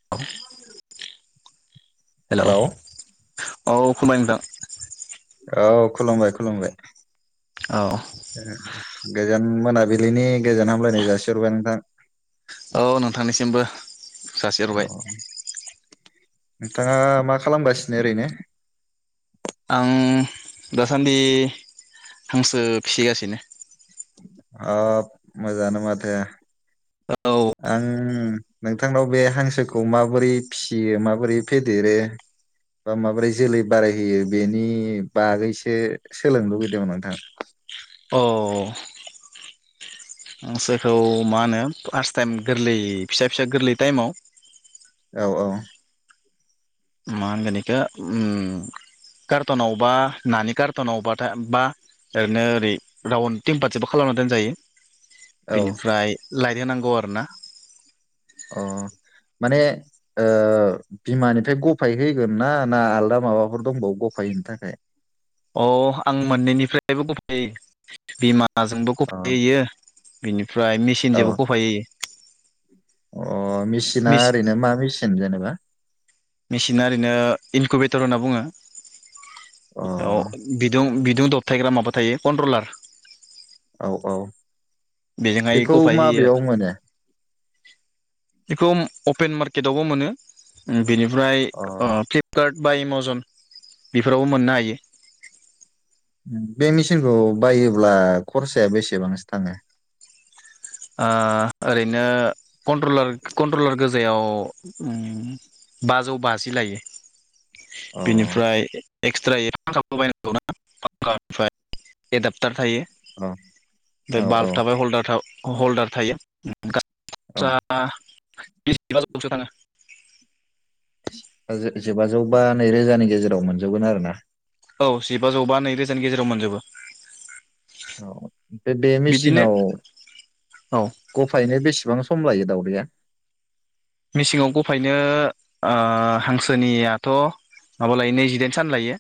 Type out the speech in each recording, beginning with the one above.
[unintelligible] हेल'। Hello औ खुलुमबाइ नोंथां। औ खुलुमबाय खुलुमबाय। औ गोजोन मोनाबिलिनि गोजोन हामलायनाय जासिहरबाय नोंथां। औ नोंथांनिसिमबो। जासि औ हरबाय। नोंथाङा मा खालामगासिनो ओरैनो? आं दासान्दि हांसो फिसिगासिनो। आब मोजाङानो माथो। औ आं उम नोंथांनाव बे हांसोखौ माबोरै फिसियो माबोरै फेदेरो बा माबोरै जोलै बारायहोयो बेनि बागैसो सोलोंनो लुगैदोंमोन नोंथां। औ। हांसोखौ मा होनो फार्स्ट टाइम गोरलै फिसा फिसा गोरलै टाइमाव औ औ मा होनगोन एखो उम कार्टनावबा नानि कार्टनावबाथाय बा ओरैनो ओरै राउन्ड टिमपा [inaudible] सेबो खालामना दोनजायो। औ बिनिफ्राय लाइट होनांगौ आरोना अ माने ओ बिमानिफ्राय गफाय होगोन ना ना आलदा माबाफोर दंबावो गफाय होनो थाखाय अ आं मोननैनिफ्रायबो गफाय [unintelligible] बिमा नाजोंबो अ गफायहोयो बिनि ओमफ्राय मेचिन औ जोबो गफाय होयो अ' मिचिना मिस ओरैनो मा मिचिन जेनेबा? मेचिना ओरैनो इनकुभेटर होनना बुङो अ औ बिदं बि दुं दबथायग्रा माबा थायो कन्ट्रलार। औ औ बेजोंहाय बेखौ गफाय होयो माबेयाव मोनो बेखौ अपेन मार्केटावबो मोनो ओम बेनिफ्राय अ ओ फ्लिपकार्ट बा एमाजन बेफोरावबो मोननो हायो ओम बे मेचिनखौ बायोब्ला खरसाया बेसेबांसो थाङो ओ ओरैनो कन्ट्रलार कन्ट्रलार गोजायाव ओम बाजौ बाजि लायो अ बेनिफ्राय एक्स [unintelligible] बायनांगौना [unintelligible] फ्राय एडाबटार थायो अ बे औ बाल्ब औ थाबाय हल्दार था ह' हल्दार थायो औ [unintelligible] [unintelligible] थाङो जिबाजौ बा नैरोजानि गेजेराव मोनजोबगोन आरो ना औ जिबाजौ बा नैरोजानि गेजेराव मोनजोबो औ बे-बे बिदिनो मेसिनाव औ गफायैनो बेसेबां सम सम लायो दाउदैया? मेसिङाव गफायनो ओह हांसोनियाथ' माबा लायो नैजिदाइन सान लायो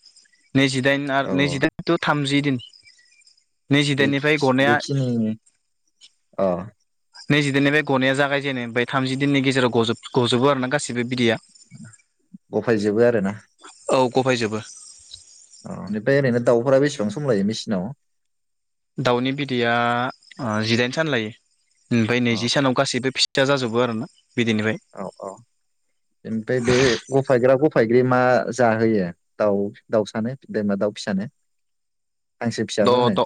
नैजिदाइन आरो औ नैजिदाइन टु थामजि दिन। बे नैजिदाइननिफ्राय गनाया बेखिनि औ नैजि दाइन निफ्राय गनाया जागाय जेनो ओमफ्राय थामजि दिननि गेजेराव गजोब गजोबो आरो ना गासिबो बिदैया गफायजोबो आरोना औ गफायजोबो नखरा बेसेबां सम लायो मेसिनाव? दाउनि बिदैया जिदाइन सान लायो ओमफ्राय अ नैजि सानाव गासैबो फिथा जाजोब बो आरो ना औ औ ओमफ्राय बे गफायग्रा गफाय बे मा जाहोयो दाउ दाउसानो जेनेबा दाउ फिसानो हांसो द फिसाफोरनो द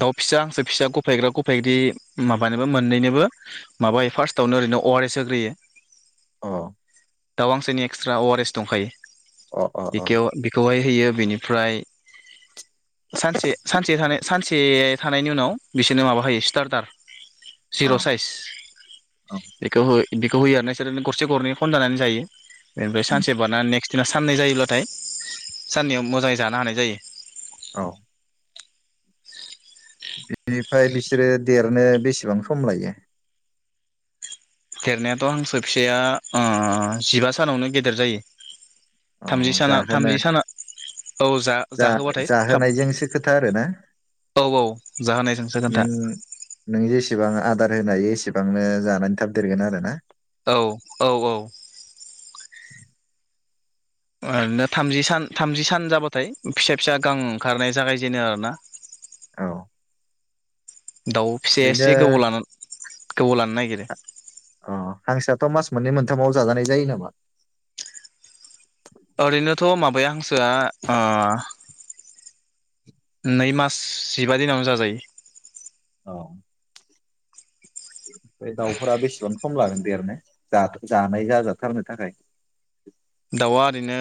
दाउ फिसा हांसो फिसा गफायग्रा गफायग्रि माबानोबो मोननैनोबो माबायो फार्स्टआवनो ओरैनो अ आर एस होग्रोयो अ दाउ हांसोनि एक्सट्रा अ आर एस दंखायो अ अ बिखेव बेखौहाय होयो बेनिफ्राय सानसे सानसे थानाय सानसे थानायनि उनाव बिसोरनो माबा होयो स्टार्टार औ जिर' साइज औ बेखौहै बेखौ होयो आरो ना बिसोर गरसे गरनै खनजानानै जायो बेनिमफ्राय सानसे बारनानै नेक्स्ट जोंना साननै जायोब्लाथाय साननैयाव मोजाङै जानो हानाय जायो औ बिनिफ्राय बिसोरो देरनो बेसेबां सम लायो? देरनायाथ' हांसो फिसाया अह जिबा सानावनो गेदेर जायो अ थामजि साना जाहोनो थामजि साना औ जा जाहोबाथाय थाब जाहोनायजोंसो खोथा आरोना औ औ जाहोनायजोंसो नों खोन्था नों जेसेबां आदार होनो हायो एसेबां बेसेबांनो जानानै थाब देरगोन आरो ना? औ औ औ ओरैनो थामजि सान थामजि सान जाबाथाय फिसा फिसा गां ओंखारनाय जागायजेनो आर ना औ दाउ फिसाया बिदिनो एसे गोबाव लानानै गोबाव लानो नागिरो अ हांसोआथ' मास मोननै मोनथामाव जाजानाय जायो नामा? ओरैनोथ' माबाया हांसोआ ओ नै मास जिबा दिनावनो जाजायो औ ओय दाउफोरा बेसेबां सम लागोन देरनो जा-जानो जाजाथारनो थाखाय। दाउआ ओरैनो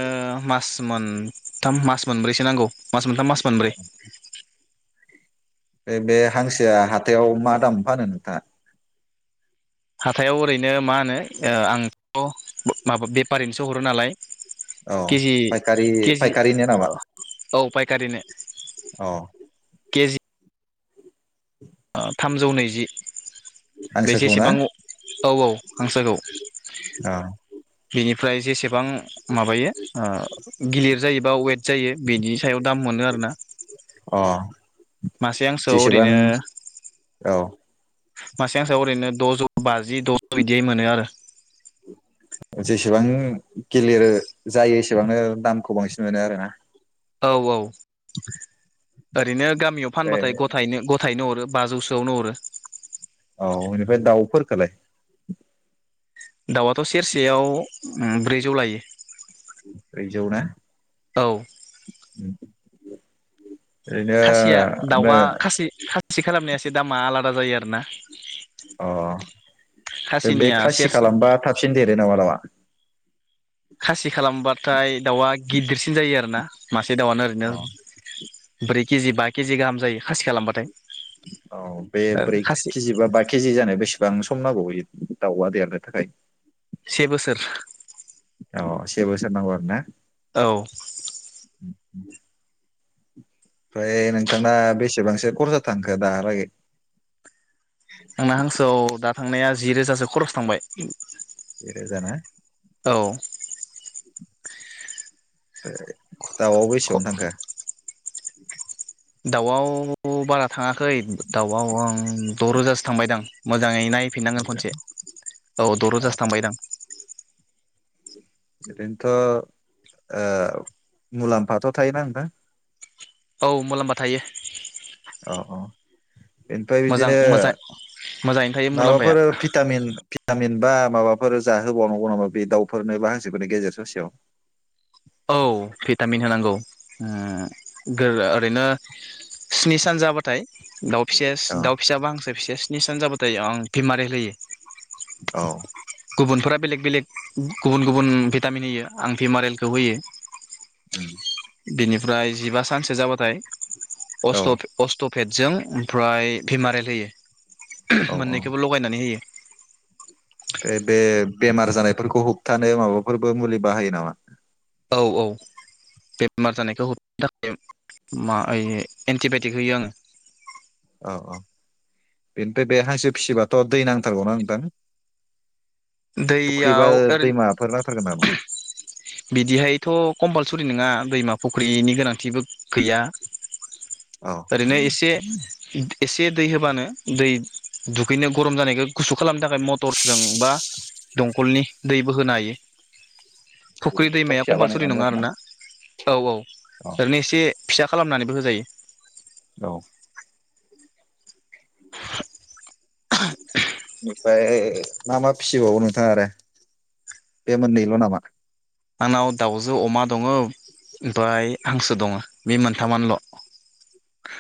मा मोनथाम मास मोनब्रैसो नांगौ मास मोनथाम मास मोनब्रै बे बे हांसोया हाथायाव मा दाम फानो नोंथाङा? हाथायाव ओरैनो मा होनो आंथ' माबा बेफारिनोसो हरो नालाय औ केजि फायखारि फायखारि नो नामा? गारिनो अ के जि थामजौ नैजि बे हांसोखौ ना जेसेबां औ औ हांसोखौ औ निफ्राय जेसेबां माबायो ओ गिलिर जायोबा वेट जायो बिदि सायाव दाम मोनो आरो ना अ मासे हांसोआव जेसेबां ओरैनो औ मासे हांसोयाव ओरैनो द'जौ बाजि द'जौ बिदियै मोनो आरो। जिसिबां गिलिर जायो एसेबांनो दामखौ बांसिन मोनो आरोना औ औ [inaudible] ओरैनो गामियाव बे फानबाथाय गथायैनो गथायैनो हरो। बाजौसोआवनो हरो औ एनिफ्राय दाउफोरखोलाय दाउआथ' सेरसेयाव उम ब्रैजौ लायो। ब्रैजौ ना औ ओरैनो बे सि खालामनाया एसे दामा आलादा जायो आरो ना अ बे खासिनिया खासि सेरसे खालामबा थाबसिन देरो नामा दाउवा? खासि खालामबा थाय दाउआ गिदिरसिन जायो आरो ना। मासे दाउआनो ओरैनो अ ब्रै केजि बा केजि गाहाम जायो खासि खालामबाथाय औ बे ब्रै खासि केजि बा बा केजि जानाय बेसेबां सम नांगौ बेयो दाउवा देरनो थाखाय से बोसोर अ से बोसोर नांगौ आरो ना। औ [unintelligible] फ्राय नोंथांना बेसेबांसो खरसा थांखो दाहालागै आंना हांसोआव दा थांनाया जि रोजासो खरस थांबाय जि रोजाना औ ओ दाउवाव बेसेबां थांखो [inaudible] दाउवाव बारा थाङाखै दाउवाव आं द' रोजासो थांबायदां मोजाङै नाय फिननांगोन खनसे औ द' औ रोजासो थांबायदां ओरैनोथ' ओ मुलाम्फाथ' थायोना नोंथां औ मुलाम्फा थायो औ औ ओमफ्राय मोजां बिदिनो मोजां मोजाङैनो थायो मुलाम्फाया माबाफोर भिटामिन थामहिनबा बा माबाफोर जाहोबावनांगौ नामा बे दाउफोरनो बा हांसोफोरनि गेजेर ससेयाव औ भिटामिन होनांगौ ओ ओरैनो स्नि सान जाबाथाय दाउ फिसास औ दाउ फिसाबा हांसो फिसाया निसान जाबाथाय आं भिमारेल होयो। औ गुबुनफोरा बेलेग बेलेग गुबुन गुबुन भिटामिन होयो आं भिमारेल सौहैयो होम बिनिफ्राय जिबा सानसो जाबाथाय औ अस्थब अस्थब पेटजों ओमफ्राय भिमारेल होयो। औ माननैखौबो लगायनानै होयो। ओमफ्राय बे बेमार जानायफोरखौ होबथानो माबाफोरबो मुलि बाहायो नामा? औ औ बेमार जानायखौ होबथानो थाखाय मा ओइ एन्टिबायायटिक होयो आङो। औ औ बेनिफ्राय बे हांसो फिसिबाथ' दै नांथारगौना नोंथां। फुख्रि बा दैयाव ओरैनो दैमाफोर नांथारगोन नामा? बिदिहायथ' कम्पालसरि नङा दैमा फुख्रिनि गोनांथिबो गैया। औ ओरैनो एसे एसे दै होबानो दै दुगैनो गरम जानायखौ गुसु खालामनो थाखाय मटरजों बा दंखलनि दैबो होनो हायो। ओरैनो फुख्रि हाखर दैमाया फिसा कम्पालसरि बानायनानै नङा आरो ना आरोना औ औ औ ओरैनो एसे फिसा खालामनानैबो होजायो। औ आ ओमफ्राय मा मा फिसिबावो नोंथाङा आरो बे मोननैल' नामा? आंनाव दाउजो अमा दङ ओमफ्राय हांसो दङ बे मोनथामानोल'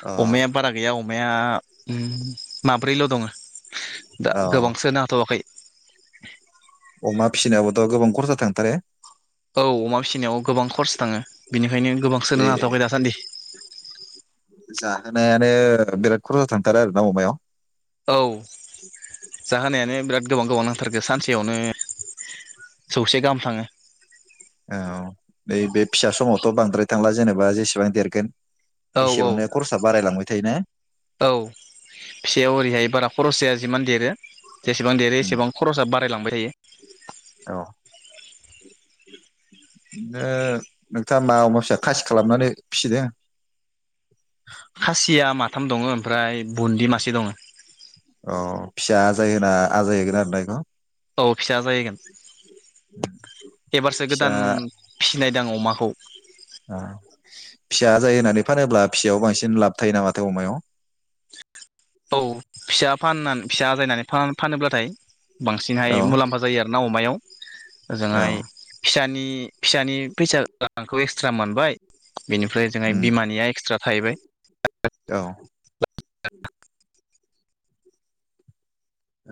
अ अमया बारा गैया [unintelligible] माब्रैल' दङ। दा औ गोबां सोनो हाथ'वाखै अमा फिसिनायावोथ' गोबां खरसा थांथारो औ अमा फिसिनायाव गोबां खरसा थाङो। बेनिखायनो गोबां बे सोनो हाथ'वाखै दासान्दि जाहोनायानो बिराद खरसा थांथारो आरो ना अमायाव? औ जाहोनायानो बिराद गोबां गोबाव नांथारगो सानसे यावनो सौसे गाहाम थाङो। औ नै बे फिसा समावथ' बांद्राय थांला जेनेबा जेसेबां देरगोन औ औ एसेबांनो खरसा बारायलांबाय थायोना औ फिसायाव ओरैहाय बारा खरस जाया। जिमान देरो जेसेबां देरो उम एसेबां खरसाआ बारायलांबाय थायो औ। ओ नोंथाङा मा अमा फिसाखो खासि खालामनानै फिसिदों? खासिया माथाम दङ ओमफ्राय बुन्दि मासे दङ। अ फिसा आजाय होना आजायहोगोन आरो बेखौ? औ फिसा आजायहोगोन एबारसो फिसा गोदान फिसिनायदों आं अमाखौ। ओ फिसा आजाय होननानै फानोब्ला फिसायाव बांसिन लाब थायो नामाथाय अमायाव? औ फिसा फाननानै फिसा आजायनानै फानोब्लाथाय बांसिनहाय औ मुलाम्फा जायो आरो ना अमायाव। औ ओजोंहाय फिसा नि फिसानि फैसा रांखौ एक्सट्रा मोनबाय। बिनिफ्राय जोंहाय उम बिमानिया एक्सट्रा थाहैबाय औ ओ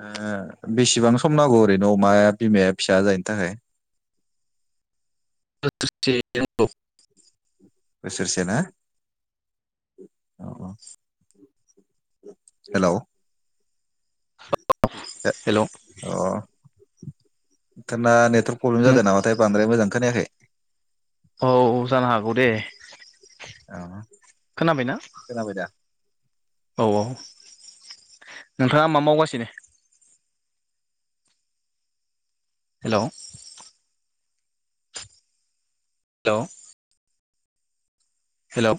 ओ बेसेबां सम नांगौ ओरैनो अमाया बिमाया फिसा जायनि थाखाय? [unintelligible] बोसोरसे ना? हेल' हेल' अ थांना नेथ प्रब्लेम जादों नामाथाय बांद्राय मोजां खोनायाखै। औ जानो हागौ दे। औ खोनाबायना खोनाबाय दा? औ औ नोंथाङा मा मावगासिनो? हेल' हेल' हेल'